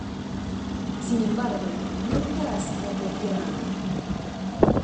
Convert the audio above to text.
Sin embargo, nunca ha sido cuestionada.